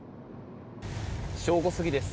正午過ぎです。